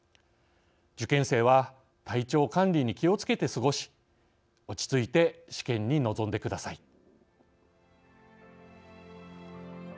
受験生は体調管理に気をつけて過ごし落ち着いて試験に臨んでください。